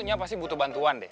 yang pasti butuh bantuan deh